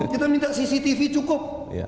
kita minta cctv cukup